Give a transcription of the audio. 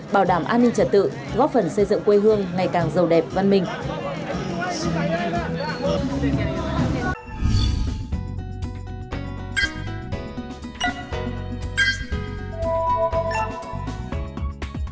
bảo đảm an ninh trật tự góp phần xây dựng quê hương ngày càng giàu đẹp văn minh